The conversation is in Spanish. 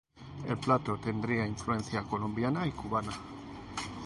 El plato tendría influencia colombiana y cubana.